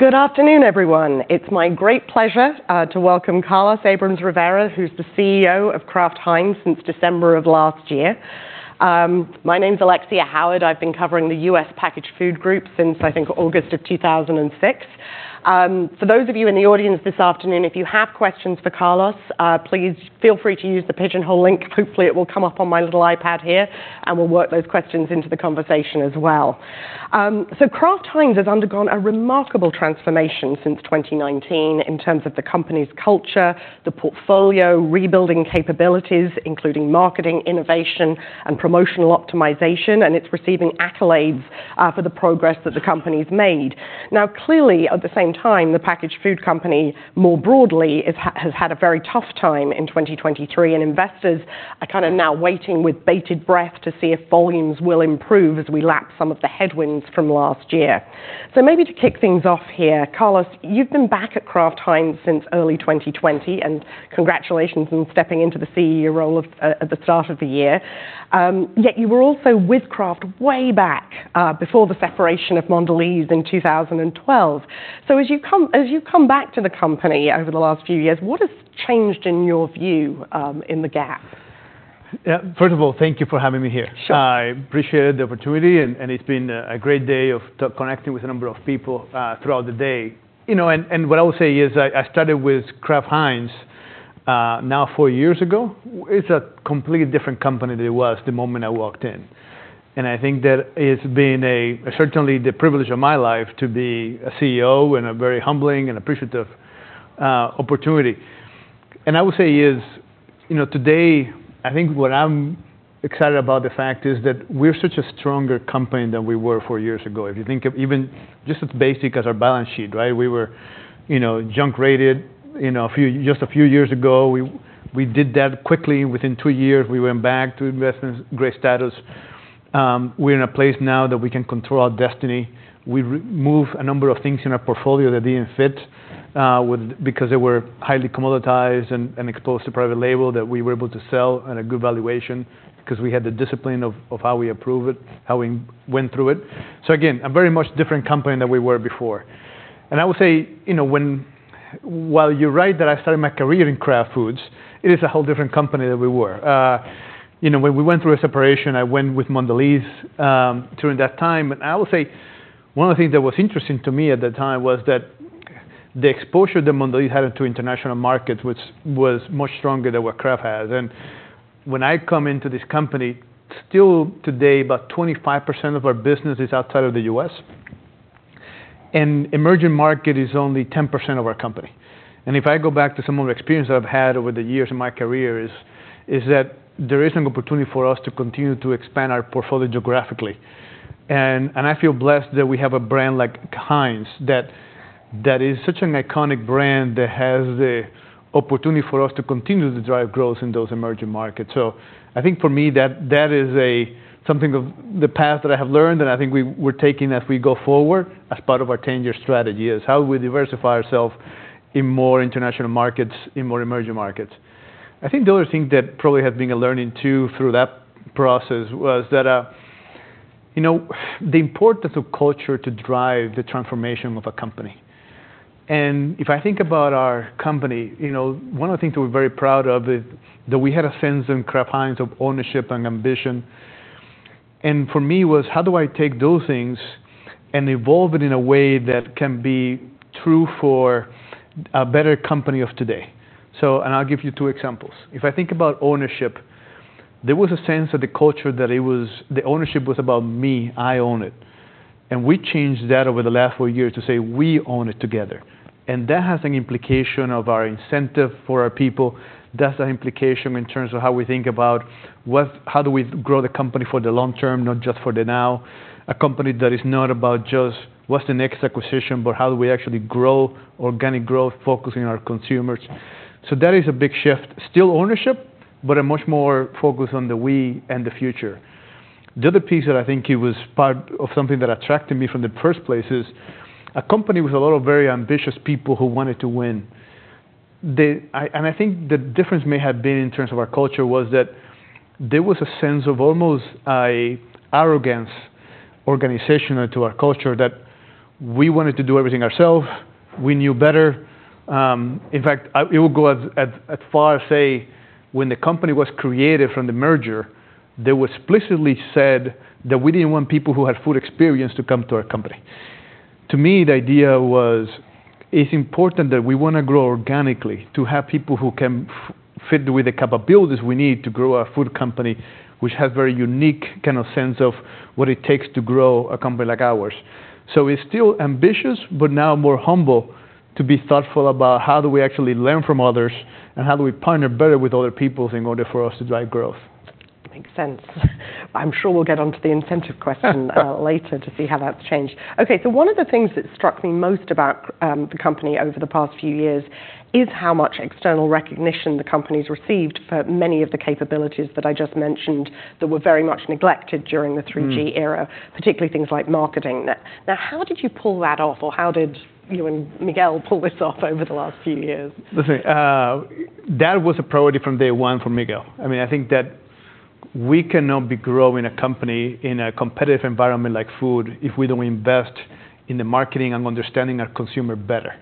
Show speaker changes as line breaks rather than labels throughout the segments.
Good afternoon, everyone. It's my great pleasure to welcome Carlos Abrams-Rivera, who's the CEO of Kraft Heinz since December of last year. My name's Alexia Howard. I've been covering the U.S. packaged food group since, I think, August of 2006. For those of you in the audience this afternoon, if you have questions for Carlos, please feel free to use the Pigeonhole link. Hopefully, it will come up on my little iPad here, and we'll work those questions into the conversation as well. So Kraft Heinz has undergone a remarkable transformation since 2019 in terms of the company's culture, the portfolio, rebuilding capabilities, including marketing, innovation, and promotional optimization, and it's receiving accolades for the progress that the company's made. Now, clearly, at the same time, the packaged food company, more broadly, has had a very tough time in 2023, and investors are kind of now waiting with bated breath to see if volumes will improve as we lap some of the headwinds from last year. So maybe to kick things off here, Carlos, you've been back at Kraft Heinz since early 2020, and congratulations on stepping into the CEO role of at the start of the year. Yet you were also with Kraft way back before the separation of Mondelēz in 2012. So as you come, as you've come back to the company over the last few years, what has changed in your view in the gap?
Yeah, first of all, thank you for having me here.
Sure.
I appreciate the opportunity, and it's been a great day of connecting with a number of people throughout the day. You know, what I would say is I started with Kraft Heinz now four years ago. It's a completely different company than it was the moment I walked in, and I think that it's been certainly the privilege of my life to be a CEO, and a very humbling and appreciative opportunity. And I would say, you know, today, I think what I'm excited about the fact is that we're such a stronger company than we were four years ago. If you think of even just as basic as our balance sheet, right? We were, you know, junk-rated, you know, just a few years ago. We did that quickly. Within two years, we went back to investment-grade status. We're in a place now that we can control our destiny. We removed a number of things in our portfolio that didn't fit because they were highly commoditized and exposed to private label that we were able to sell at a good valuation because we had the discipline of how we approve it, how we went through it. So again, a very much different company than we were before. And I would say, you know, while you're right, that I started my career in Kraft Foods, it is a whole different company than we were. You know, when we went through a separation, I went with Mondelēz during that time, and I would say one of the things that was interesting to me at the time was that the exposure that Mondelēz had to international markets, which was much stronger than what Kraft had. And when I come into this company, still today, about 25% of our business is outside of the U.S., and emerging market is only 10% of our company. And I feel blessed that we have a brand like Heinz, that is such an iconic brand that has the opportunity for us to continue to drive growth in those emerging markets. So I think for me, that is something of the path that I have learned, and I think we're taking as we go forward as part of our ten-year strategy, is how we diversify ourselves in more international markets, in more emerging markets. I think the other thing that probably has been a learning, too, through that process was that, you know, the importance of culture to drive the transformation of a company. If I think about our company, you know, one of the things we're very proud of is that we had a sense in Kraft Heinz of ownership and ambition, and for me was, how do I take those things and evolve it in a way that can be true for a better company of today? So... I'll give you two examples. If I think about ownership, there was a sense of the culture that it was, the ownership was about me, I own it. We changed that over the last four years to say, we own it together. That has an implication of our incentive for our people. That's an implication in terms of how we think about what- how do we grow the company for the long term, not just for the now? A company that is not about just what's the next acquisition, but how do we actually grow organic growth, focusing on our consumers. So that is a big shift. Still ownership, but a much more focus on the we and the future. The other piece that I think it was part of something that attracted me from the first place is, a company with a lot of very ambitious people who wanted to win. And I think the difference may have been in terms of our culture, was that there was a sense of almost a arrogance, organizational to our culture, that we wanted to do everything ourselves. We knew better. In fact, it would go as far as to say, when the company was created from the merger, they explicitly said that we didn't want people who had food experience to come to our company. To me, the idea was, it's important that we wanna grow organically, to have people who can fit with the capabilities we need to grow a food company, which has very unique kind of sense of what it takes to grow a company like ours. It's still ambitious, but now more humble, to be thoughtful about how do we actually learn from others, and how do we partner better with other peoples in order for us to drive growth?
Makes sense. I'm sure we'll get on to the incentive question later to see how that's changed. Okay, so one of the things that struck me most about the company over the past few years is how much external recognition the company's received for many of the capabilities that I just mentioned, that were very much neglected during the 3G era.
Mm.
particularly things like marketing. Now, how did you pull that off, or how did you and Miguel pull this off over the last few years?
Listen, that was a priority from day one for Miguel. I mean, I think we cannot be growing a company in a competitive environment like food if we don't invest in the marketing and understanding our consumer better.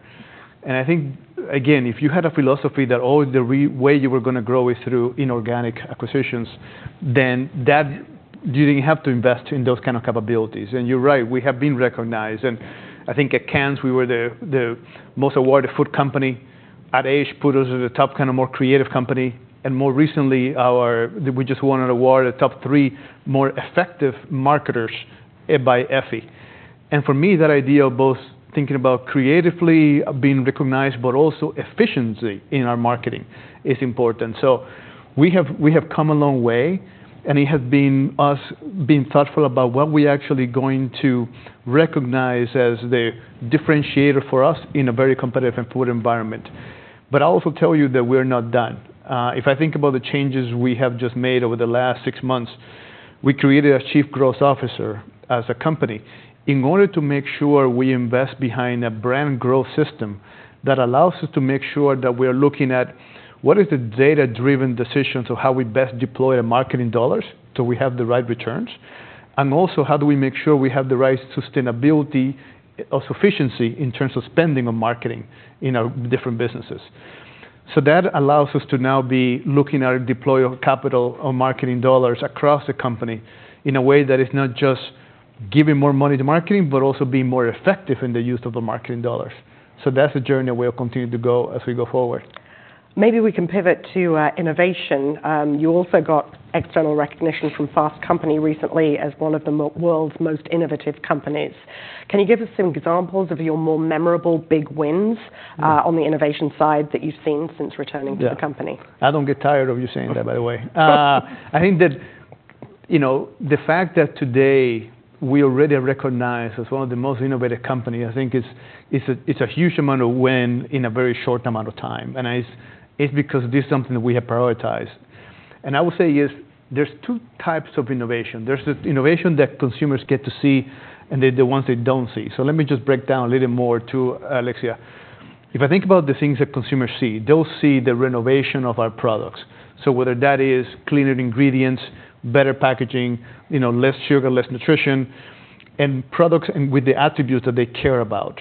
And I think, again, if you had a philosophy that, oh, the real way you were gonna grow is through inorganic acquisitions, then that, you didn't have to invest in those kind of capabilities. And you're right, we have been recognized, and I think at Cannes, we were the most awarded food company. Ad Age put us as a top kind of more creative company, and more recently, our—we just won an award, a top three more effective marketers by Effie. And for me, that idea of both thinking about creatively being recognized, but also efficiency in our marketing is important. So we have, we have come a long way, and it has been us being thoughtful about what we're actually going to recognize as the differentiator for us in a very competitive food environment. But I'll also tell you that we're not done. If I think about the changes we have just made over the last six months, we created a Chief Growth Officer as a company in order to make sure we invest behind a brand growth system that allows us to make sure that we are looking at what is the data-driven decisions of how we best deploy our marketing dollars, so we have the right returns? And also, how do we make sure we have the right sustainability of sufficiency in terms of spending on marketing in our different businesses? That allows us to now be looking at deployment of capital on marketing dollars across the company in a way that is not just giving more money to marketing, but also being more effective in the use of the marketing dollars. So that's a journey that we'll continue to go as we go forward.
Maybe we can pivot to innovation. You also got external recognition from Fast Company recently as one of the world's most innovative companies. Can you give us some examples of your more memorable big wins on the innovation side that you've seen since returning to the company?
Yeah. I don't get tired of you saying that, by the way. I think that, you know, the fact that today we already recognized as one of the most innovative company, I think it's, it's a, it's a huge amount of win in a very short amount of time. And it's, it's because this is something that we have prioritized. And I will say is, there's two types of innovation: There's the innovation that consumers get to see and the, the ones they don't see. So let me just break down a little more to Alexia. If I think about the things that consumers see, they'll see the renovation of our products. So whether that is cleaner ingredients, better packaging, you know, less sugar, better nutrition, and products and with the attributes that they care about.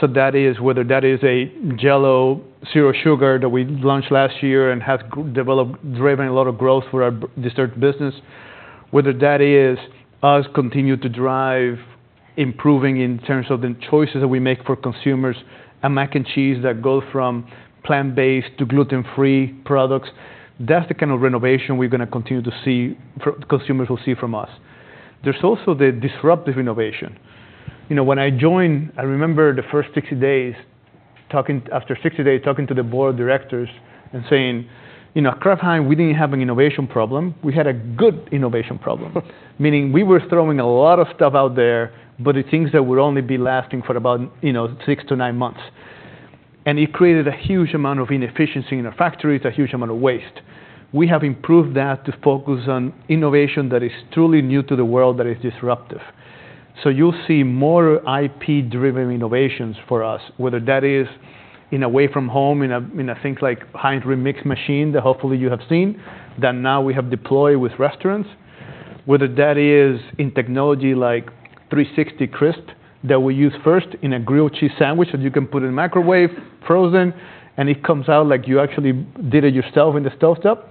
So that is, whether that is a Jell-O Zero Sugar that we launched last year and has developed... driven a lot of growth for our dessert business, whether that is us continue to drive improving in terms of the choices that we make for consumers, a mac and cheese that go from plant-based to gluten-free products, that's the kind of renovation we're gonna continue to see, consumers will see from us. There's also the disruptive innovation. You know, when I joined, I remember the first 60 days talking, after 60 days, talking to the board of directors and saying: "You know, Kraft Heinz, we didn't have an innovation problem. We had a good innovation problem." Meaning, we were throwing a lot of stuff out there, but the things that would only be lasting for about, you know, six to nine months. It created a huge amount of inefficiency in our factories, a huge amount of waste. We have improved that to focus on innovation that is truly new to the world, that is disruptive. So you'll see more IP-driven innovations for us, whether that is in away-from-home, in things like Heinz Remix machine, that hopefully you have seen, that now we have deployed with restaurants, whether that is in technology like 360CRISP that we use first in a grilled cheese sandwich that you can put in the microwave, frozen, and it comes out like you actually did it yourself on the stovetop.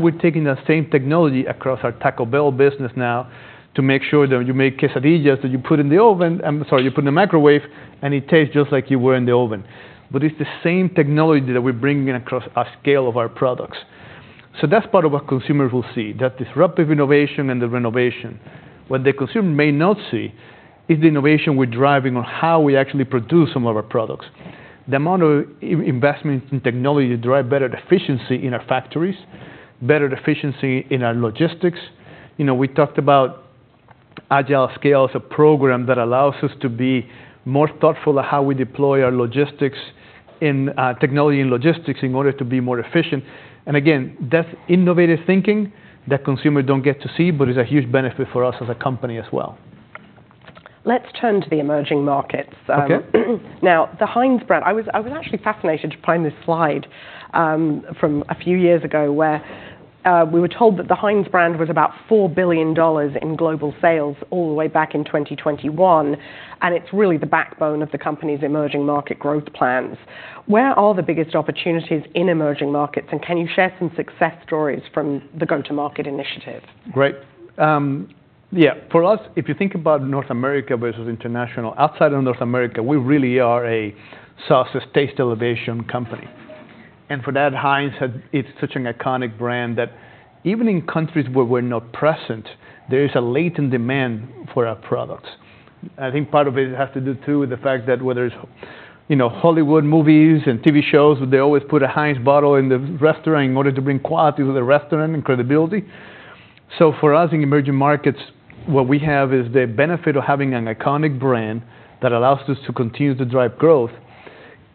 We're taking that same technology across our Taco Bell business now to make sure that when you make quesadillas that you put in the oven, sorry, you put in the microwave, and it tastes just like it were in the oven. It's the same technology that we're bringing across a scale of our products. That's part of what consumers will see, that disruptive innovation and the renovation. What the consumer may not see is the innovation we're driving on how we actually produce some of our products. The amount of investment in technology to drive better efficiency in our factories, better efficiency in our logistics. You know, we talked about Agile@Scale as a program that allows us to be more thoughtful of how we deploy our logistics in technology and logistics in order to be more efficient. And again, that's innovative thinking that consumers don't get to see, but is a huge benefit for us as a company as well.
Let's turn to the emerging markets.
Okay.
Now, the Heinz brand... I was, I was actually fascinated to find this slide, from a few years ago, where we were told that the Heinz brand was about $4 billion in global sales all the way back in 2021, and it's really the backbone of the company's emerging market growth plans. Where are the biggest opportunities in emerging markets, and can you share some success stories from the go-to-market initiative?
Great. Yeah, for us, if you think about North America versus international, outside of North America, we really are a sauces Taste Elevation company. And for that, Heinz, it's such an iconic brand that even in countries where we're not present, there is a latent demand for our products. I think part of it has to do, too, with the fact that whether it's, you know, Hollywood movies and TV shows, they always put a Heinz bottle in the restaurant in order to bring quality to the restaurant and credibility. So for us, in emerging markets, what we have is the benefit of having an iconic brand that allows us to continue to drive growth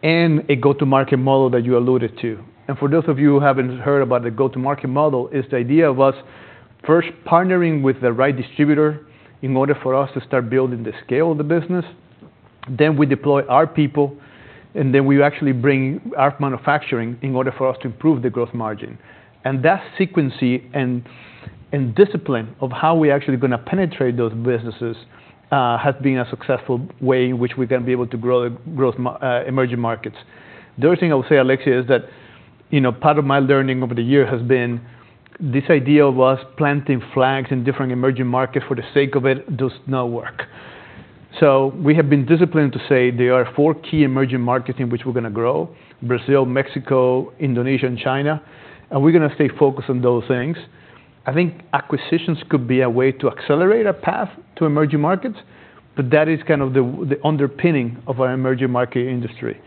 and a go-to-market model that you alluded to. For those of you who haven't heard about the go-to-market model, it's the idea of us first partnering with the right distributor in order for us to start building the scale of the business. Then we deploy our people, and then we actually bring our manufacturing in order for us to improve the gross margin. That sequence and discipline of how we're actually gonna penetrate those businesses has been a successful way in which we're gonna be able to grow emerging markets. The other thing I would say, Alexia, is that, you know, part of my learning over the years has been this idea of us planting flags in different emerging markets for the sake of it does not work. So we have been disciplined to say there are four key emerging markets in which we're gonna grow: Brazil, Mexico, Indonesia, and China, and we're gonna stay focused on those things. I think acquisitions could be a way to accelerate a path to emerging markets, but that is kind of the underpinning of our emerging market strategy,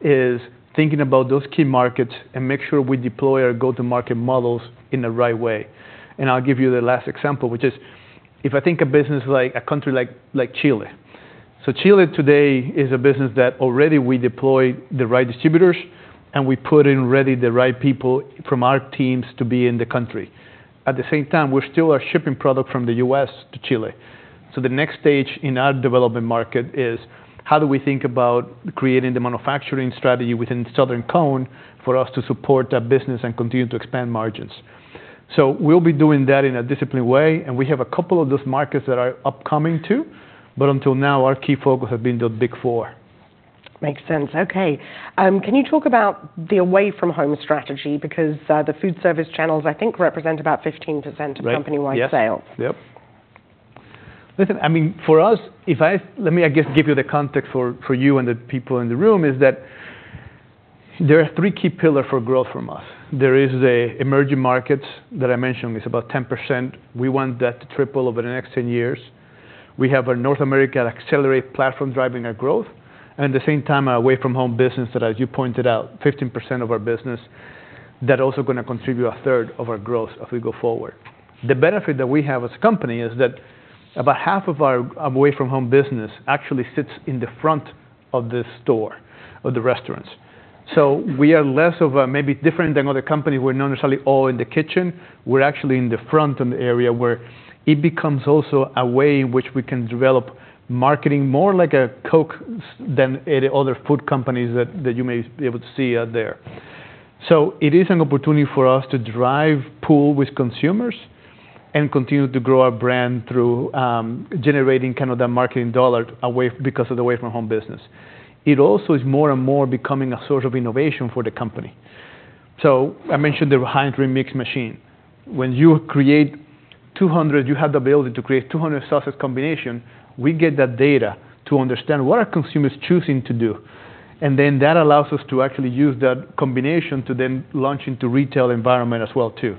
is thinking about those key markets and make sure we deploy our go-to-market models in the right way. And I'll give you the last example, which is, if I think a business like a country like, like Chile. So Chile today is a business that already we deployed the right distributors, and we put in already the right people from our teams to be in the country. At the same time, we still are shipping product from the US to Chile. So the next stage in our development market is, how do we think about creating the manufacturing strategy within the Southern Cone for us to support that business and continue to expand margins? So we'll be doing that in a disciplined way, and we have a couple of those markets that are upcoming, too. But until now, our key focus have been the big four.
Makes sense. Okay. Can you talk about the away-from-home strategy? Because, the food service channels, I think, represent about 15%-
Right.
of company-wide sales.
Yes. Yep. Listen, I mean, for us, if I... Let me, I guess, give you the context for, for you and the people in the room, is that there are three key pillar for growth from us. There is the emerging markets that I mentioned, it's about 10%. We want that to triple over the next 10 years. We have our North America Accelerate Platform driving our growth, and at the same time, our away-from-home business that, as you pointed out, 15% of our business, that also gonna contribute a third of our growth as we go forward. The benefit that we have as a company is that about half of our away-from-home business actually sits in the front of the store or the restaurants. So we are less of a, maybe different than other company. We're not necessarily all in the kitchen, we're actually in the front end area, where it becomes also a way in which we can develop marketing more like a Coke's than any other food companies that you may be able to see out there. So it is an opportunity for us to drive pull with consumers and continue to grow our brand through generating kind of the marketing dollar away, because of the away-from-home business. It also is more and more becoming a source of innovation for the company. So I mentioned the HEINZ REMIX machine. When you create 200... You have the ability to create 200 sauces combination, we get that data to understand what are consumers choosing to do, and then that allows us to actually use that combination to then launch into retail environment as well, too.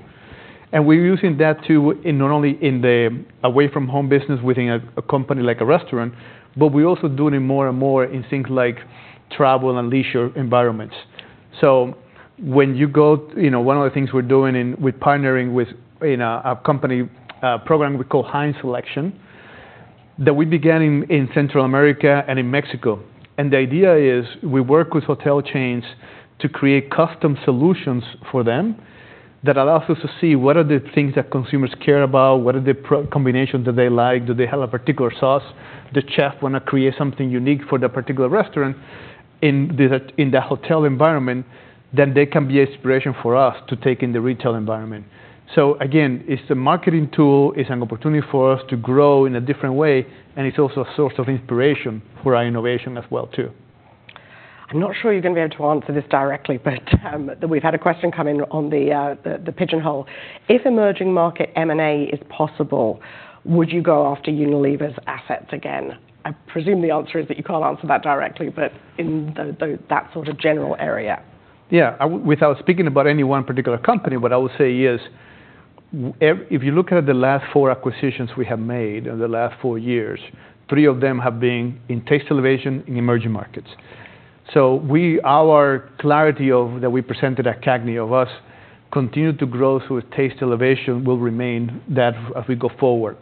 And we're using that, too, in not only in the away-from-home business within a company like a restaurant, but we're also doing it more and more in things like travel and leisure environments. So when you go... You know, one of the things we're doing in, we're partnering with, in a company program we call Heinz Selection, that we began in Central America and in Mexico. And the idea is, we work with hotel chains to create custom solutions for them that allows us to see what are the things that consumers care about, what are the product combinations that they like? Do they have a particular sauce? The chef wanna create something unique for that particular restaurant in the hotel environment, then they can be inspiration for us to take in the retail environment. So again, it's a marketing tool, it's an opportunity for us to grow in a different way, and it's also a source of inspiration for our innovation as well, too.
I'm not sure you're gonna be able to answer this directly, but we've had a question come in on the Pigeonhole: If emerging market M&A is possible, would you go after Unilever's assets again? I presume the answer is that you can't answer that directly, but in that sort of general area.
Yeah, without speaking about any one particular company, what I would say is, if you look at the last four acquisitions we have made in the last four years, three of them have been in Taste Elevation in emerging markets. So, our clarity of that we presented at CAGNY of us continue to grow through Taste Elevation will remain that as we go forward.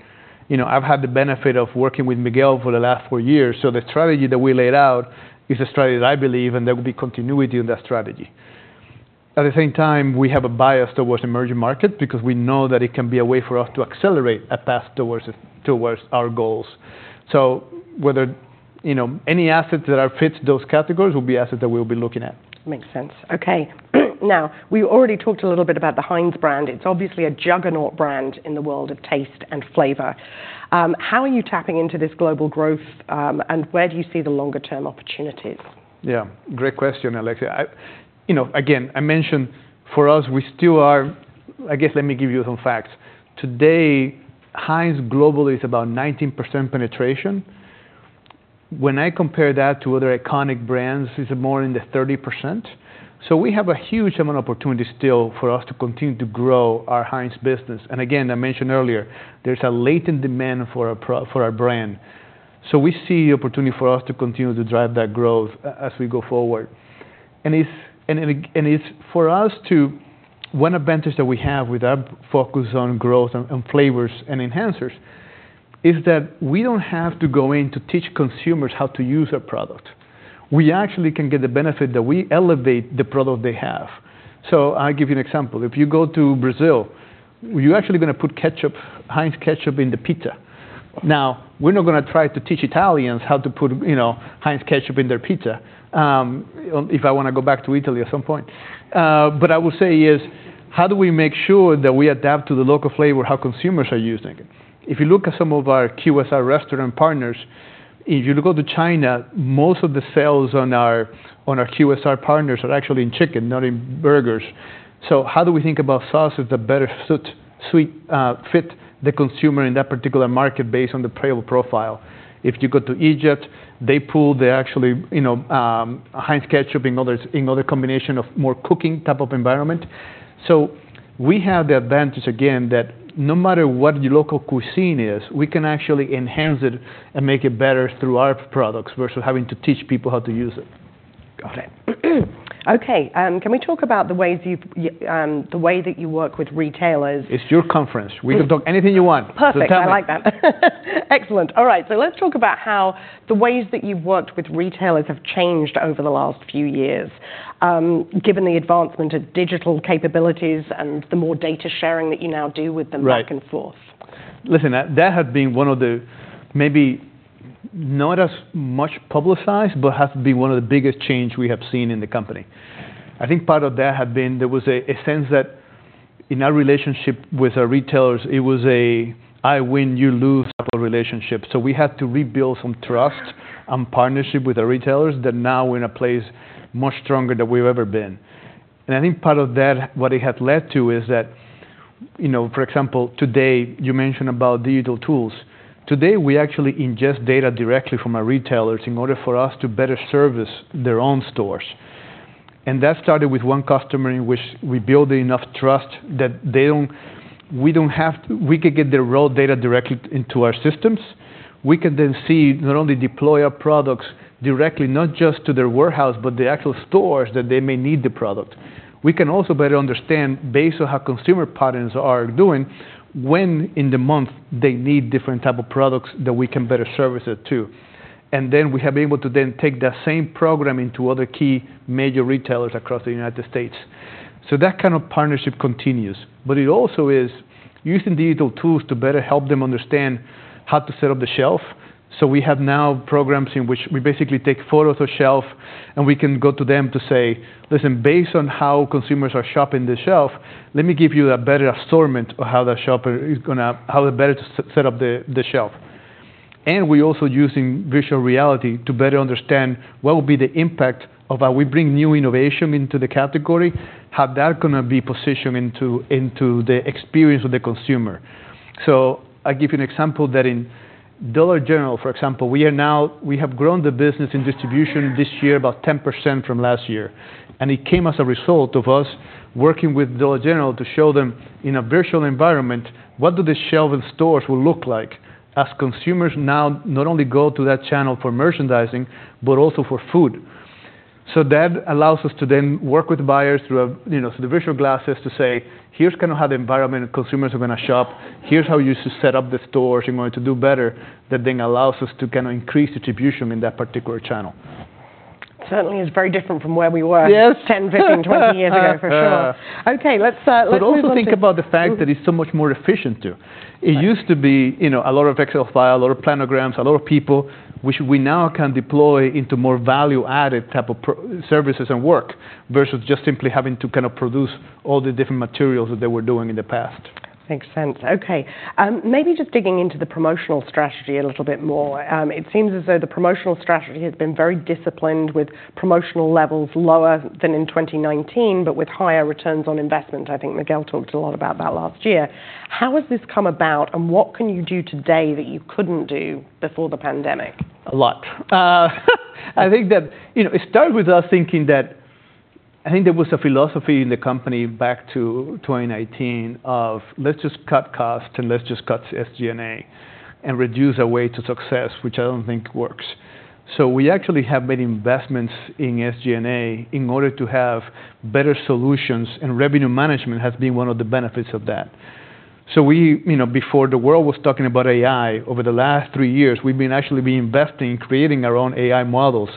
You know, I've had the benefit of working with Miguel for the last four years, so the strategy that we laid out is a strategy that I believe, and there will be continuity in that strategy. At the same time, we have a bias towards emerging market, because we know that it can be a way for us to accelerate a path towards our goals. Whether, you know, any assets that are fit those categories will be assets that we'll be looking at.
Makes sense. Okay. Now, we already talked a little bit about the Heinz brand. It's obviously a juggernaut brand in the world of taste and flavor. How are you tapping into this global growth, and where do you see the longer term opportunities?
Yeah, great question, Alexia. You know, again, I mentioned for us, we still are. I guess, let me give you some facts. Today, Heinz Global is about 19% penetration. When I compare that to other iconic brands, it's more in the 30%. So we have a huge amount of opportunity still for us to continue to grow our Heinz business. And again, I mentioned earlier, there's a latent demand for our brand. So we see opportunity for us to continue to drive that growth as we go forward. And it's for us to. One advantage that we have with our focus on growth and flavors and enhancers is that we don't have to go in to teach consumers how to use our product. We actually can get the benefit that we elevate the product they have. So I'll give you an example. If you go to Brazil, you're actually gonna put ketchup, Heinz ketchup, in the pizza. Now, we're not gonna try to teach Italians how to put, you know, Heinz ketchup in their pizza, if I wanna go back to Italy at some point. But I will say, how do we make sure that we adapt to the local flavor, how consumers are using it? If you look at some of our QSR restaurant partners, if you look out to China, most of the sales on our, on our QSR partners are actually in chicken, not in burgers. So how do we think about sauces that better suit, fit the consumer in that particular market based on the flavor profile? If you go to Egypt, they put the, actually, you know, Heinz Ketchup in other, in other combination of more cooking type of environment. So we have the advantage, again, that no matter what the local cuisine is, we can actually enhance it and make it better through our products, versus having to teach people how to use it.
Got it. Okay, can we talk about the ways you've, the way that you work with retailers?
It's your conference. We can talk anything you want.
Perfect.
Just tell me.
I like that. Excellent. All right, so let's talk about how the ways that you've worked with retailers have changed over the last few years, given the advancement of digital capabilities and the more data sharing that you now do with them-
Right...
back and forth.
Listen, that has been one of the maybe not as much publicized, but has been one of the biggest change we have seen in the company. I think part of that has been there was a sense that in our relationship with our retailers, it was a I win, you lose type of relationship. So we had to rebuild some trust and partnership with the retailers, that now we're in a place much stronger than we've ever been. And I think part of that, what it has led to is that, you know, for example, today, you mentioned about digital tools. Today, we actually ingest data directly from our retailers in order for us to better service their own stores, and that started with one customer in which we built enough trust that they don't... We could get the raw data directly into our systems. We could then see, not only deploy our products directly, not just to their warehouse, but the actual stores that they may need the product. We can also better understand, based on how consumer patterns are doing, when in the month they need different type of products that we can better service it to. And then we have been able to then take that same program into other key major retailers across the United States. So that kind of partnership continues, but it also is using digital tools to better help them understand how to set up the shelf. So we have now programs in which we basically take photos of shelf, and we can go to them to say, "Listen, based on how consumers are shopping the shelf, let me give you a better assortment of how the shopper is gonna... how better to set up the shelf." And we're also using virtual reality to better understand what will be the impact of how we bring new innovation into the category, how that's gonna be positioned into the experience of the consumer. So I'll give you an example that in Dollar General, for example, we have grown the business in distribution this year about 10% from last year, and it came as a result of us working with Dollar General to show them, in a virtual environment, what the shelf in stores will look like as consumers now not only go to that channel for merchandising, but also for food. So that allows us to then work with buyers through, you know, the virtual glasses to say, "Here's kind of how the environment consumers are gonna shop. Here's how you should set up the stores in order to do better." That then allows us to kind of increase distribution in that particular channel.
Certainly, it's very different from where we were-
Yes...
10, 15, 20 years ago, for sure. Okay, let's-
But also think about the fact that it's so much more efficient, too.
Right.
It used to be, you know, a lot of Excel files, a lot of planograms, a lot of people, which we now can deploy into more value-added types of professional services and work, versus just simply having to kind of produce all the different materials that they were doing in the past.
Makes sense. Okay, maybe just digging into the promotional strategy a little bit more. It seems as though the promotional strategy has been very disciplined, with promotional levels lower than in 2019, but with higher returns on investment. I think Miguel talked a lot about that last year. How has this come about, and what can you do today that you couldn't do before the pandemic?
A lot. I think that, you know, it started with us thinking that... I think there was a philosophy in the company back to 2019 of, "Let's just cut costs, and let's just cut SG&A and reduce our way to success," which I don't think works. So we actually have made investments in SG&A in order to have better solutions, and revenue management has been one of the benefits of that. So we... You know, before the world was talking about AI, over the last three years, we've actually been investing in creating our own AI models,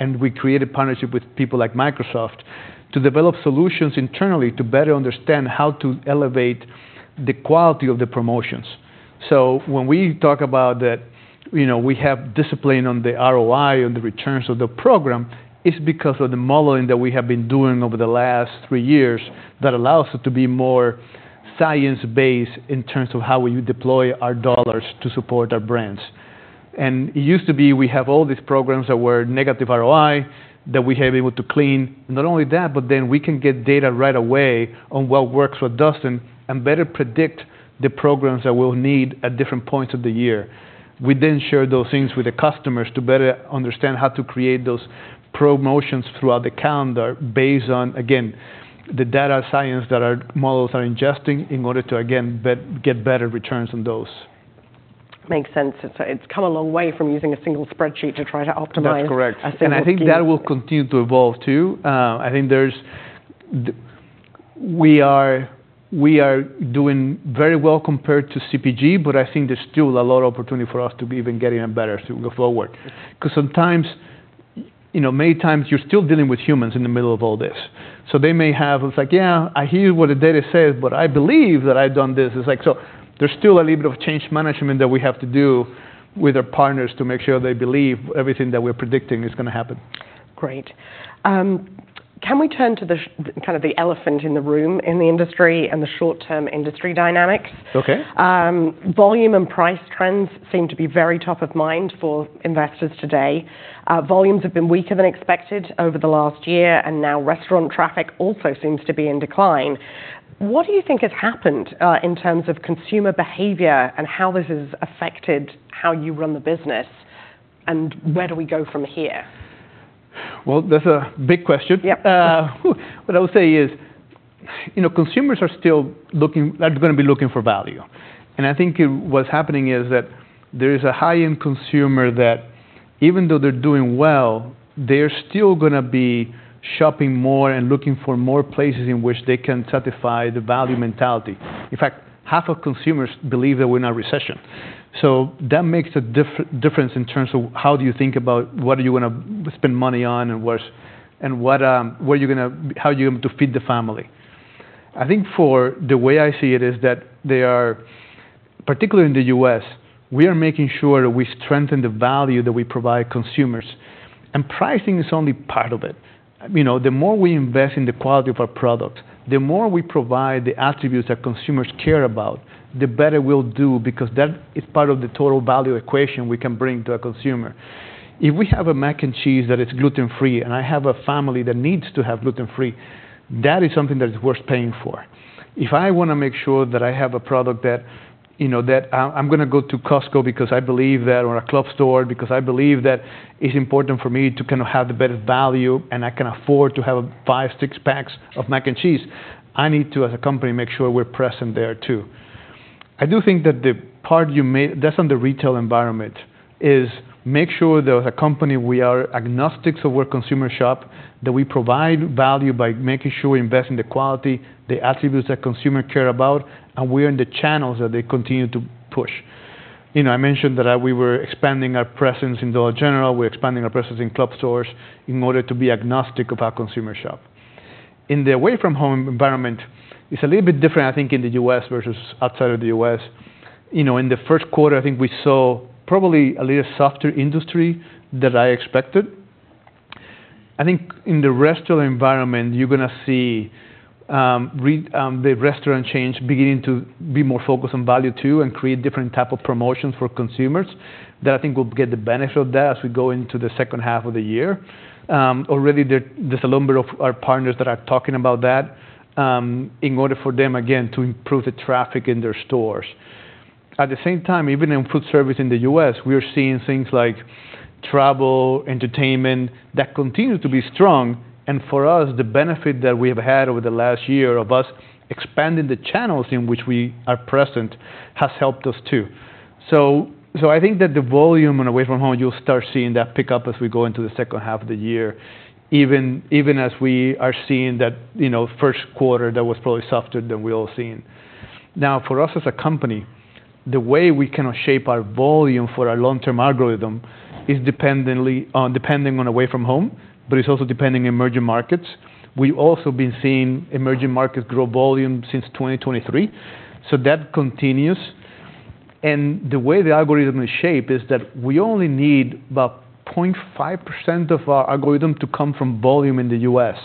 and we created partnership with people like Microsoft to develop solutions internally to better understand how to elevate the quality of the promotions. So when we talk about that, you know, we have discipline on the ROI and the returns of the program, it's because of the modeling that we have been doing over the last three years that allows us to be more science-based in terms of how we deploy our dollars to support our brands. And it used to be, we have all these programs that were negative ROI that we have been able to clean. Not only that, but then we can get data right away on what works, what doesn't, and better predict the programs that we'll need at different points of the year. We then share those things with the customers to better understand how to create those promotions throughout the calendar based on, again, the data science that our models are ingesting in order to, again, get better returns on those.
Makes sense. It's, it's come a long way from using a single spreadsheet to try to optimize-
That's correct...
a single view.
I think that will continue to evolve, too. I think we are doing very well compared to CPG, but I think there's still a lot of opportunity for us to be even getting it better to go forward. 'Cause sometimes, you know, many times you're still dealing with humans in the middle of all this. So they may have, it's like, "Yeah, I hear what the data says, but I believe that I've done this." It's like, so there's still a little bit of change management that we have to do with our partners to make sure they believe everything that we're predicting is gonna happen.
Great. Can we turn to the kind of the elephant in the room in the industry and the short-term industry dynamics?
Okay.
Volume and price trends seem to be very top of mind for investors today. Volumes have been weaker than expected over the last year, and now restaurant traffic also seems to be in decline. What do you think has happened in terms of consumer behavior and how this has affected how you run the business? Where do we go from here?
Well, that's a big question.
Yep.
What I would say is, you know, consumers are still gonna be looking for value. And I think what's happening is that there is a high-end consumer that, even though they're doing well, they're still gonna be shopping more and looking for more places in which they can certify the value mentality. In fact, half of consumers believe that we're in a recession. So that makes a difference in terms of how do you think about what are you gonna spend money on, and what are you gonna -- how are you going to feed the family? I think for the way I see it, is that they are... Particularly in the U.S., we are making sure that we strengthen the value that we provide consumers, and pricing is only part of it. You know, the more we invest in the quality of our product, the more we provide the attributes that consumers care about, the better we'll do, because that is part of the total value equation we can bring to a consumer. If we have a mac and cheese that is gluten-free, and I have a family that needs to have gluten-free, that is something that is worth paying for. If I wanna make sure that I have a product that, you know, that I, I'm gonna go to Costco because I believe that, or a club store, because I believe that it's important for me to kind of have the better value, and I can afford to have five, six packs of mac and cheese, I need to, as a company, make sure we're present there, too. I do think that the part you made—that's on the retail environment—is to make sure that as a company, we are agnostic to where consumers shop, that we provide value by making sure we invest in the quality, the attributes that consumers care about, and we're in the channels that they continue to push. You know, I mentioned that, we were expanding our presence in Dollar General, we're expanding our presence in club stores in order to be agnostic of where our consumers shop. In the away-from-home environment, it's a little bit different, I think, in the U.S. versus outside of the U.S. You know, in the Q1, I think we saw probably a little softer industry than I expected. I think in the restaurant environment, you're gonna see, the restaurant chains beginning to be more focused on value, too, and create different type of promotions for consumers, that I think we'll get the benefit of that as we go into the second half of the year. Already there, there's a number of our partners that are talking about that, in order for them, again, to improve the traffic in their stores. At the same time, even in food service in the U.S., we are seeing things like travel, entertainment, that continue to be strong. And for us, the benefit that we have had over the last year of us expanding the channels in which we are present has helped us, too. So, I think that the volume on away from home, you'll start seeing that pick up as we go into the second half of the year, even as we are seeing that, you know, Q1 that was probably softer than we all seen. Now, for us as a company, the way we can shape our volume for our long-term algorithm is dependently, depending on away from home, but it's also depending on emerging markets. We've also been seeing emerging markets grow volume since 2023, so that continues. And the way the algorithm is shaped is that we only need about 0.5% of our algorithm to come from volume in the US.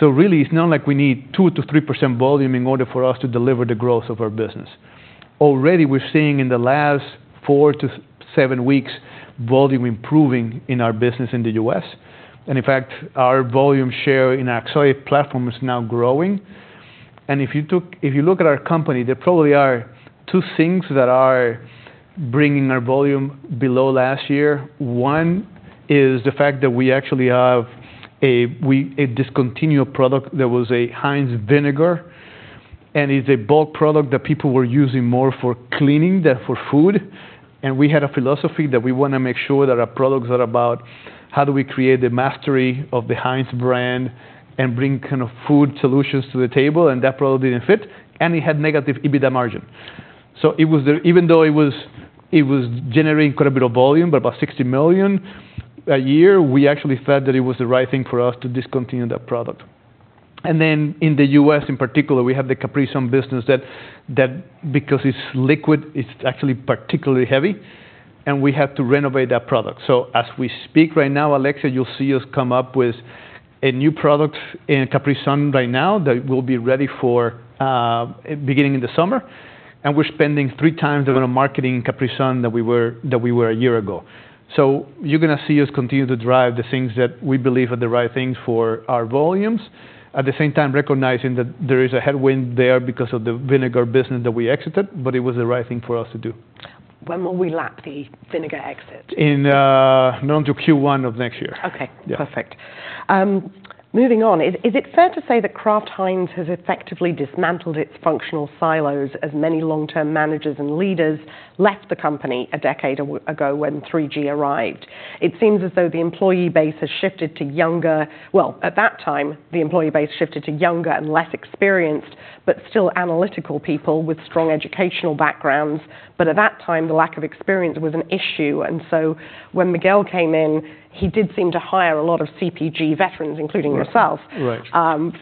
So really, it's not like we need 2%-3% volume in order for us to deliver the growth of our business. Already, we're seeing in the last four to seven weeks, volume improving in our business in the U.S. And in fact, our volume share in our Sauces platform is now growing. And if you look at our company, there probably are two things that are bringing our volume below last year. One, is the fact that we actually have a discontinued product that was a Heinz Vinegar, and it's a bulk product that people were using more for cleaning than for food. And we had a philosophy that we wanna make sure that our products are about, how do we create the mastery of the Heinz brand and bring kind of food solutions to the table, and that product didn't fit, and it had negative EBITDA margin. So it was there. Even though it was, it was generating quite a bit of volume, about $60 million a year, we actually felt that it was the right thing for us to discontinue that product. And then in the U.S., in particular, we have the Capri Sun business that because it's liquid, it's actually particularly heavy, and we have to renovate that product. So as we speak right now, Alexia, you'll see us come up with a new product in Capri Sun right now, that will be ready for beginning in the summer. And we're spending three times on the marketing Capri Sun than we were a year ago. So you're gonna see us continue to drive the things that we believe are the right things for our volumes. At the same time, recognizing that there is a headwind there because of the vinegar business that we exited, but it was the right thing for us to do. ...
when will we lap the Heinz Vinegar exit?
In going to Q1 of next year.
Okay.
Yeah.
Perfect. Moving on, is it fair to say that Kraft Heinz has effectively dismantled its functional silos, as many long-term managers and leaders left the company a decade ago when 3G arrived? It seems as though the employee base has shifted. Well, at that time, the employee base shifted to younger and less experienced, but still analytical people with strong educational backgrounds. But at that time, the lack of experience was an issue, and so when Miguel came in, he did seem to hire a lot of CPG veterans, including yourself-
Right...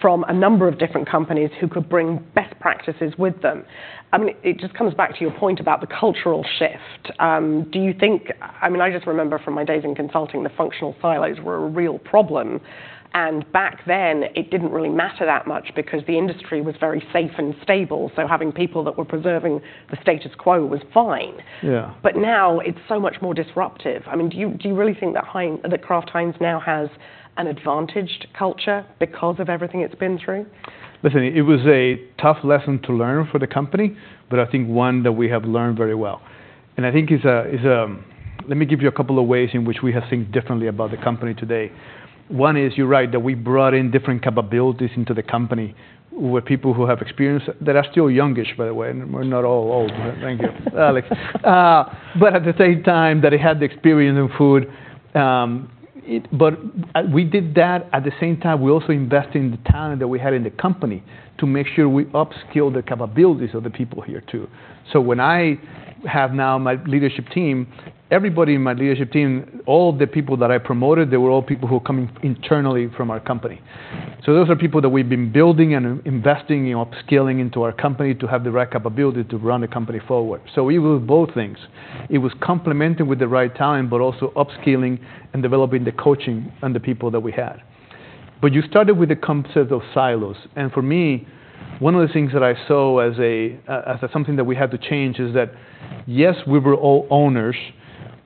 from a number of different companies who could bring best practices with them. I mean, it just comes back to your point about the cultural shift. Do you think? I mean, I just remember from my days in consulting, the functional silos were a real problem, and back then, it didn't really matter that much because the industry was very safe and stable, so having people that were preserving the status quo was fine.
Yeah.
But now it's so much more disruptive. I mean, do you, do you really think that Heinz - that Kraft Heinz now has an advantaged culture because of everything it's been through?
Listen, it was a tough lesson to learn for the company, but I think one that we have learned very well. And I think it's a. Let me give you a couple of ways in which we have think differently about the company today. One is, you're right, that we brought in different capabilities into the company, with people who have experience, that are still youngish, by the way. We're not all old. Thank you, Alex. But at the same time, that they had the experience in food. But we did that, at the same time, we're also investing in the talent that we had in the company to make sure we upskill the capabilities of the people here, too. So when I have now my leadership team, everybody in my leadership team, all the people that I promoted, they were all people who were coming internally from our company. So those are people that we've been building and investing and upskilling into our company to have the right capability to run the company forward. So it was both things. It was complemented with the right talent, but also upskilling and developing the coaching and the people that we had. But you started with the concept of silos, and for me, one of the things that I saw as a, as something that we had to change is that, yes, we were all owners,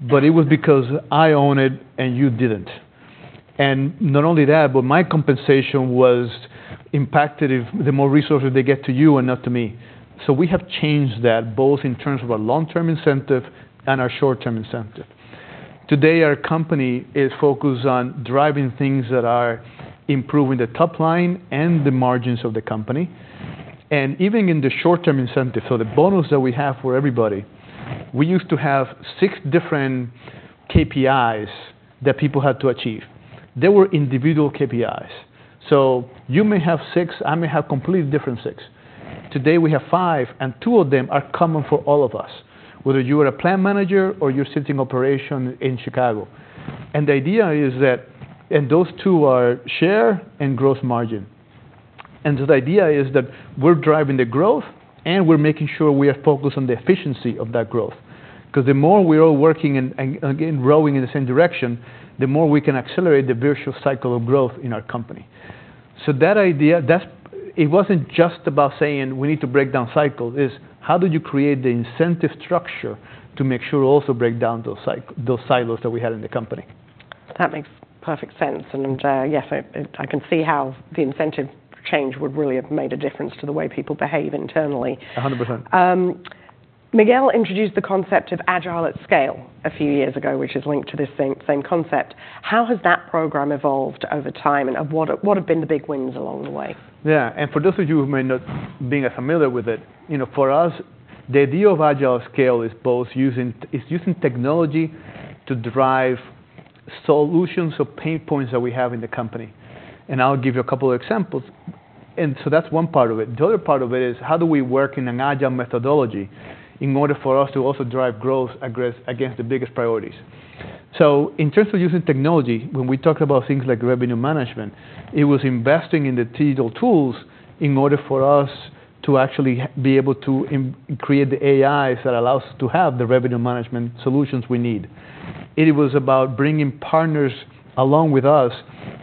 but it was because I owned it and you didn't. And not only that, but my compensation was impacted if the more resources they get to you and not to me. We have changed that, both in terms of our long-term incentive and our short-term incentive. Today, our company is focused on driving things that are improving the top line and the margins of the company. Even in the short-term incentive, so the bonus that we have for everybody, we used to have six different KPIs that people had to achieve. They were individual KPIs. You may have six, I may have completely different six. Today, we have five, and two of them are common for all of us, whether you are a plant manager or you're sitting in operation in Chicago. The idea is that... Those two are share and gross margin. The idea is that we're driving the growth, and we're making sure we are focused on the efficiency of that growth. Because the more we are working and again, rowing in the same direction, the more we can accelerate the virtual cycle of growth in our company. So that idea, that's, it wasn't just about saying, "We need to break down cycles." It's how did you create the incentive structure to make sure you also break down those silos that we had in the company?
That makes perfect sense, and, yes, I can see how the incentive change would really have made a difference to the way people behave internally.
100%.
Miguel introduced the concept of Agile@Scale a few years ago, which is linked to this same concept. How has that program evolved over time, and what have been the big wins along the way?
Yeah, and for those of you who may not be as familiar with it, you know, for us, the idea of Agile@Scale is both using technology to derive solutions or pain points that we have in the company. I'll give you a couple of examples. That's one part of it. The other part of it is: How do we work in an agile methodology in order for us to also drive growth aggressively against the biggest priorities? In terms of using technology, when we talk about things like revenue management, it was investing in the digital tools in order for us to actually be able to create the AIs that allows us to have the revenue management solutions we need. It was about bringing partners along with us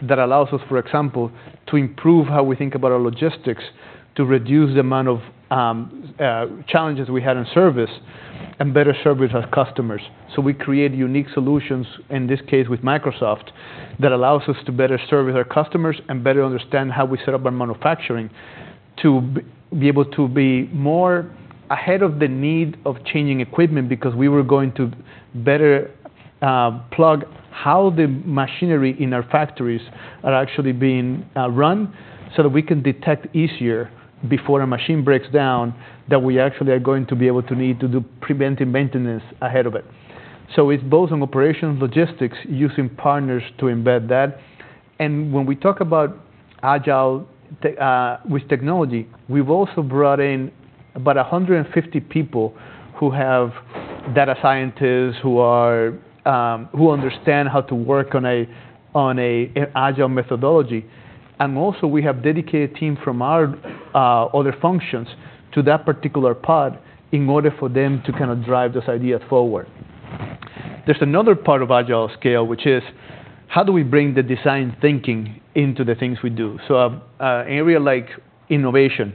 that allows us, for example, to improve how we think about our logistics, to reduce the amount of challenges we had in service, and better service our customers. So we create unique solutions, in this case, with Microsoft, that allows us to better serve with our customers and better understand how we set up our manufacturing to be able to be more ahead of the need of changing equipment, because we were going to better plug how the machinery in our factories are actually being run, so that we can detect easier before a machine breaks down, that we actually are going to be able to need to do preventive maintenance ahead of it. So it's both on operation logistics, using partners to embed that. When we talk about Agile with technology, we've also brought in about 150 people who have data scientists, who understand how to work on an Agile methodology. Also, we have dedicated team from our other functions to that particular part in order for them to kinda drive this idea forward. There's another part of Agile@Scale, which is: How do we bring the design thinking into the things we do? So, an area like innovation,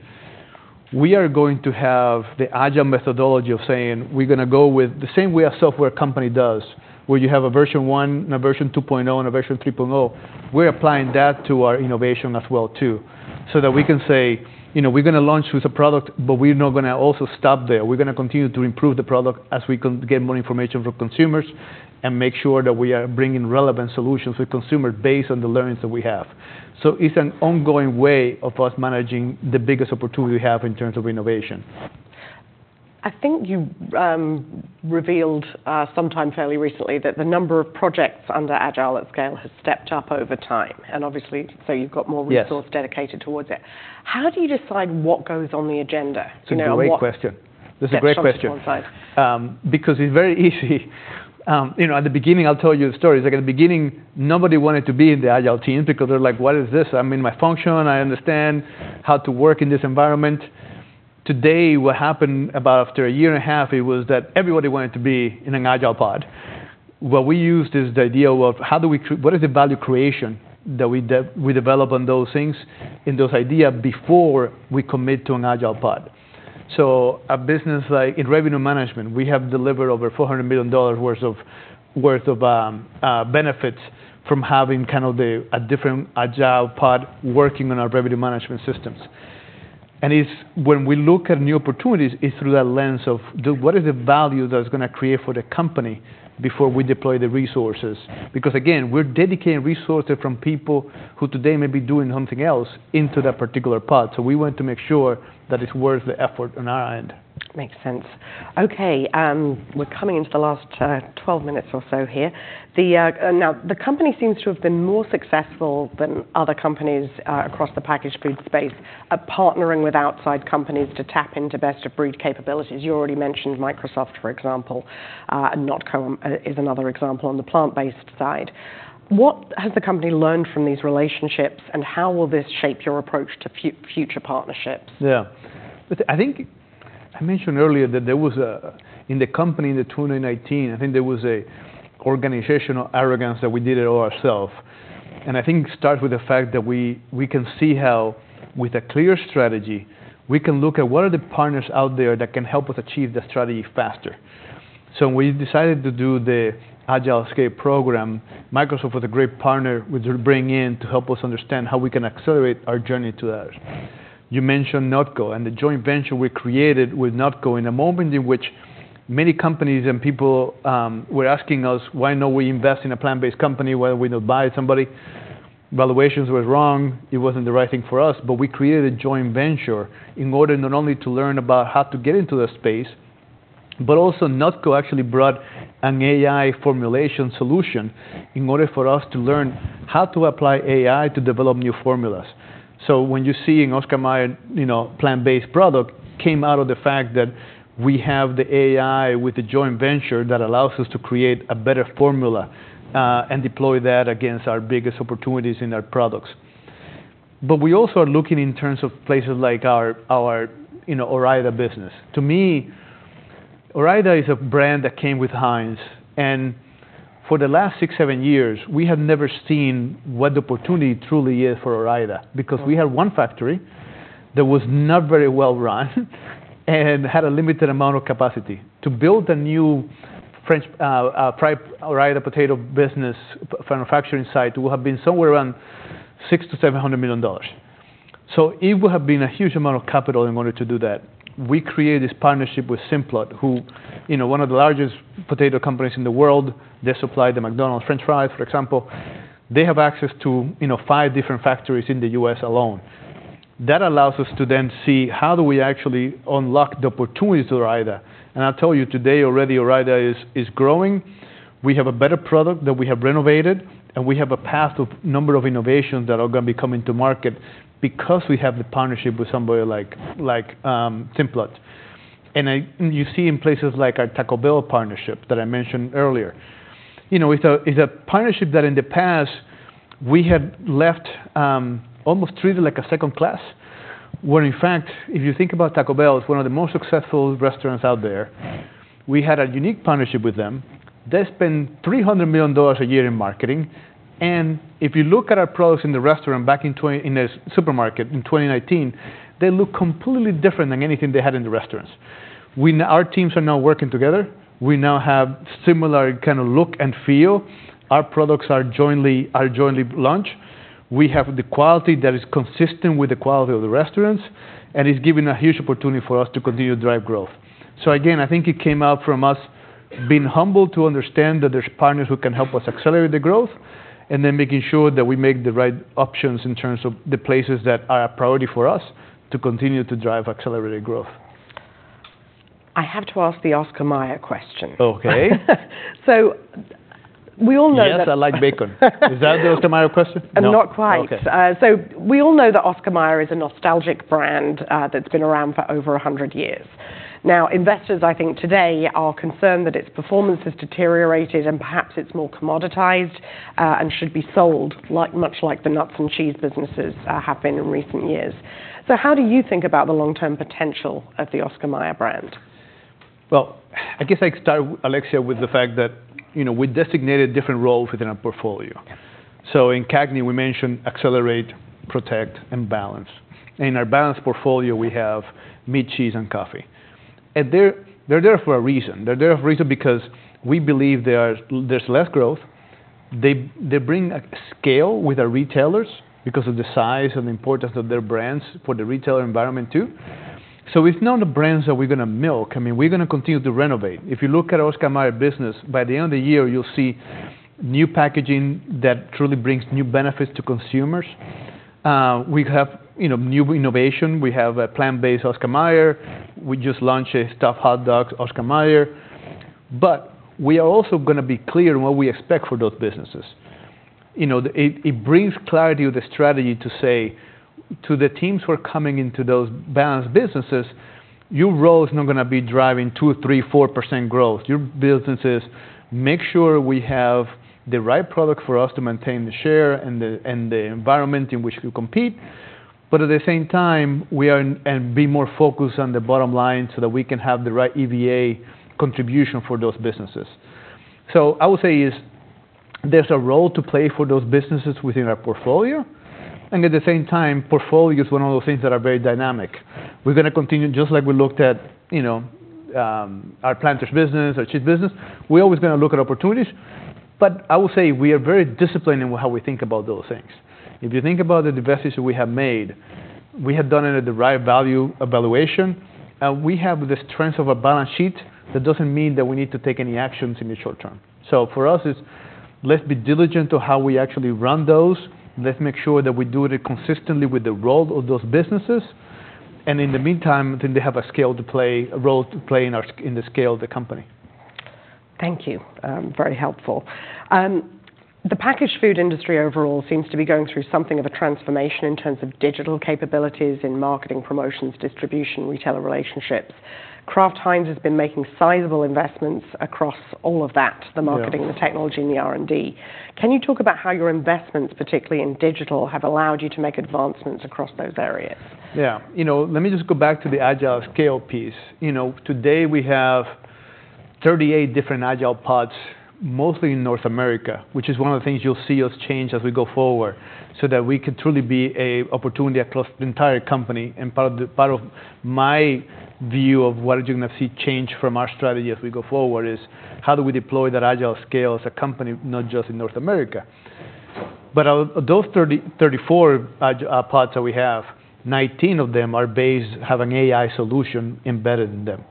we are going to have the Agile methodology of saying we're gonna go with the same way a software company does, where you have a version 1 and a version 2.0, and a version 3.0. We're applying that to our innovation as well, too, so that we can say, you know, we're gonna launch with a product, but we're not gonna also stop there. We're gonna continue to improve the product as we get more information from consumers, and make sure that we are bringing relevant solutions to the consumer based on the learnings that we have. So it's an ongoing way of us managing the biggest opportunity we have in terms of innovation.
I think you revealed sometime fairly recently that the number of projects under Agile@Scale has stepped up over time, and obviously, so you've got more-
Yes...
resource dedicated toward it. How do you decide what goes on the agenda? You know, what-
It's a great question.
Steps on one side.
That's a great question. Because it's very easy. You know, at the beginning, I'll tell you a story. Like, at the beginning, nobody wanted to be in the agile team because they're like: "What is this? I'm in my function. I understand how to work in this environment." Today, what happened about after a year and a half, it was that everybody wanted to be in an agile pod. What we used is the idea of how do we what is the value creation that we develop on those things, in those idea, before we commit to an agile pod? So a business like... In revenue management, we have delivered over $400 million worth of benefits from having kind of a different agile pod working on our revenue management systems. It's when we look at new opportunities, it's through the lens of what is the value that it's gonna create for the company before we deploy the resources? Because, again, we're dedicating resources from people who today may be doing something else into that particular pod. So we want to make sure that it's worth the effort on our end.
Makes sense. Okay, we're coming into the last 12 minutes or so here. Now, the company seems to have been more successful than other companies across the packaged food space, at partnering with outside companies to tap into best-of-breed capabilities. You already mentioned Microsoft, for example, and NotCo is another example on the plant-based side. What has the company learned from these relationships, and how will this shape your approach to future partnerships?
Yeah. I think I mentioned earlier that there was, in the company in 2019, I think there was an organizational arrogance that we did it all ourselves. And I think it starts with the fact that we, we can see how, with a clear strategy, we can look at what are the partners out there that can help us achieve the strategy faster. So we decided to do the Agile@Scale program. Microsoft was a great partner we did bring in to help us understand how we can accelerate our journey to that. You mentioned NotCo, and the joint venture we created with NotCo in a moment in which many companies and people were asking us why not we invest in a plant-based company, why we not buy somebody. Valuations were wrong. It wasn't the right thing for us. But we created a joint venture in order not only to learn about how to get into the space, but also NotCo actually brought an AI formulation solution in order for us to learn how to apply AI to develop new formulas. So when you're seeing Oscar Mayer, you know, plant-based product, came out of the fact that we have the AI with the joint venture that allows us to create a better formula and deploy that against our biggest opportunities in our products. But we also are looking in terms of places like our, you know, Ore-Ida business. To me, Ore-Ida is a brand that came with Heinz, and for the last six to seven years, we have never seen what the opportunity truly is for Ore-Ida.
Okay.
Because we had one factory that was not very well run, and had a limited amount of capacity. To build a new French fried Ore-Ida potato business manufacturing site, would have been somewhere around $600 million-$700 million. So it would have been a huge amount of capital in order to do that. We created this partnership with Simplot, who, you know, one of the largest potato companies in the world. They supply the McDonald's french fries, for example. They have access to, you know, five different factories in the U.S. alone. That allows us to then see how do we actually unlock the opportunities to Ore-Ida. And I'll tell you, today, already, Ore-Ida is growing. We have a better product that we have renovated, and we have a path of number of innovations that are gonna be coming to market because we have the partnership with somebody like, like, Simplot. You see in places like our Taco Bell partnership that I mentioned earlier. You know, it's a, it's a partnership that, in the past, we had left, almost treated like a second class, when in fact, if you think about Taco Bell, it's one of the most successful restaurants out there. We had a unique partnership with them. They spend $300 million a year in marketing, and if you look at our products in the restaurant, back in 2019 in the supermarket, they look completely different than anything they had in the restaurants. We now, our teams are now working together. We now have similar kind of look and feel. Our products are jointly launched. We have the quality that is consistent with the quality of the restaurants, and it's giving a huge opportunity for us to continue to drive growth. So again, I think it came out from us being humble to understand that there's partners who can help us accelerate the growth, and then making sure that we make the right options in terms of the places that are a priority for us to continue to drive accelerated growth.
I have to ask the Oscar Mayer question.
Okay.
So we all know that-
Yes, I like bacon. Is that the Oscar Mayer question? No.
Not quite.
Okay.
So we all know that Oscar Mayer is a nostalgic brand, that's been around for over 100 years. Now, investors, I think, today, are concerned that its performance has deteriorated and perhaps it's more commoditized, and should be sold, like, much like the nuts and cheese businesses, have been in recent years. So how do you think about the long-term potential of the Oscar Mayer brand?...
Well, I guess I'd start, Alexia, with the fact that, you know, we designated different roles within our portfolio. So in CAGNY, we mentioned accelerate, protect, and balance. In our balanced portfolio, we have meat, cheese, and coffee. And they're, they're there for a reason. They're there for a reason because we believe there are- there's less growth. They, they bring a scale with our retailers because of the size and importance of their brands for the retailer environment, too. So it's not the brands that we're gonna milk. I mean, we're gonna continue to renovate. If you look at Oscar Mayer business, by the end of the year, you'll see new packaging that truly brings new benefits to consumers. We have, you know, new innovation. We have a plant-based Oscar Mayer. We just launched a stuffed hot dog, Oscar Mayer. But we are also gonna be clear on what we expect for those businesses. You know, it brings clarity of the strategy to say to the teams who are coming into those balanced businesses, "Your role is not gonna be driving 2, 3, or 4% growth. Your business is, make sure we have the right product for us to maintain the share and the, and the environment in which we compete. But at the same time, we are and be more focused on the bottom line, so that we can have the right EVA contribution for those businesses." So I would say, there's a role to play for those businesses within our portfolio, and at the same time, portfolio is one of those things that are very dynamic. We're gonna continue, just like we looked at, you know, our Planters business, our cheese business, we're always gonna look at opportunities. But I will say we are very disciplined in how we think about those things. If you think about the investments we have made, we have done it at the right value evaluation, and we have the strength of a balance sheet. That doesn't mean that we need to take any actions in the short term. So for us, it's let's be diligent to how we actually run those. Let's make sure that we do it consistently with the role of those businesses, and in the meantime, then they have a scale to play, a role to play in our- in the scale of the company.
Thank you. Very helpful. The packaged food industry overall seems to be going through something of a transformation in terms of digital capabilities in marketing, promotions, distribution, retailer relationships. Kraft Heinz has been making sizable investments across all of that-
Yeah...
the marketing, the technology, and the R&D. Can you talk about how your investments, particularly in digital, have allowed you to make advancements across those areas?
Yeah. You know, let me just go back to the Agile@Scale piece. You know, today we have 38 different Agile@Scale pods, mostly in North America, which is one of the things you'll see us change as we go forward, so that we can truly be a opportunity across the entire company. And part of my view of what you're gonna see change from our strategy as we go forward, is how do we deploy that Agile@Scale as a company, not just in North America? But those 34 Agile@Scale pods that we have, 19 of them have an AI solution embedded in them.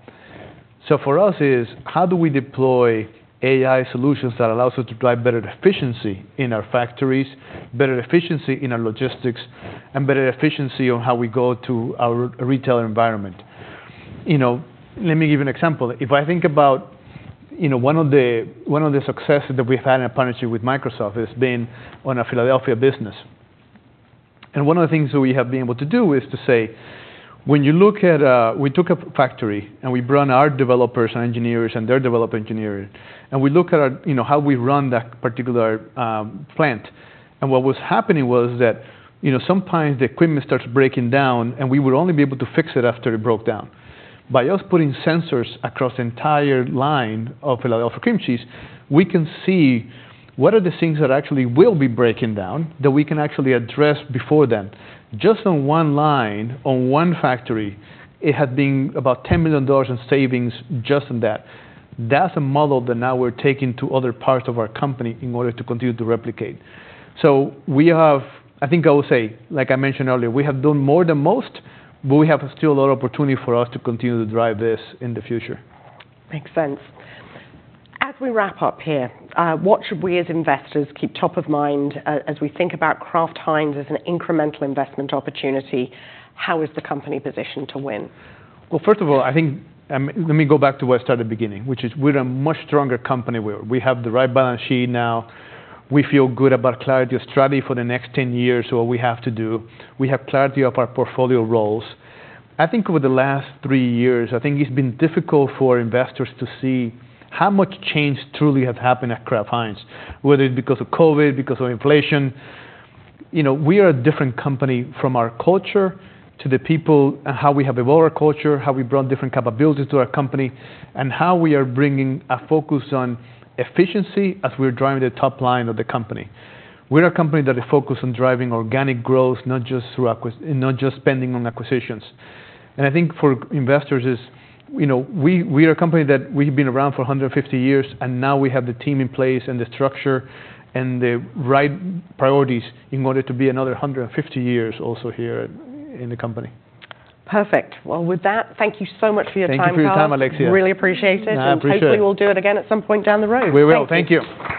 So for us is, how do we deploy AI solutions that allows us to drive better efficiency in our factories, better efficiency in our logistics, and better efficiency on how we go to our retail environment? You know, let me give you an example. If I think about, you know, one of the, one of the successes that we've had in a partnership with Microsoft has been on a Philadelphia business. And one of the things that we have been able to do is to say, when you look at a... We took a factory, and we brought our developers and engineers and their developer engineers, and we look at our, you know, how we run that particular plant. And what was happening was that, you know, sometimes the equipment starts breaking down, and we would only be able to fix it after it broke down. By us putting sensors across the entire line of Philadelphia Cream Cheese, we can see what are the things that actually will be breaking down, that we can actually address before then. Just on one line, on one factory, it had been about $10 million in savings just on that. That's a model that now we're taking to other parts of our company in order to continue to replicate. So we have... I think I will say, like I mentioned earlier, we have done more than most, but we have still a lot of opportunity for us to continue to drive this in the future.
Makes sense. As we wrap up here, what should we, as investors, keep top of mind as we think about Kraft Heinz as an incremental investment opportunity? How is the company positioned to win?
Well, first of all, I think, let me go back to where I started beginning, which is we're a much stronger company. We have the right balance sheet now. We feel good about clarity of strategy for the next 10 years, so what we have to do. We have clarity of our portfolio roles. I think over the last three years, I think it's been difficult for investors to see how much change truly have happened at Kraft Heinz, whether it's because of COVID, because of inflation. You know, we are a different company, from our culture, to the people, and how we have evolved our culture, how we brought different capabilities to our company, and how we are bringing a focus on efficiency as we're driving the top line of the company. We're a company that is focused on driving organic growth, not just spending on acquisitions. And I think for investors is, you know, we are a company that we've been around for 150 years, and now we have the team in place and the structure and the right priorities in order to be another 150 years also here in the company.
Perfect. Well, with that, thank you so much for your time, Carlos.
Thank you for your time, Alexia.
Really appreciate it.
I appreciate it.
Hopefully we'll do it again at some point down the road.
We will.
Thank you.
Thank you.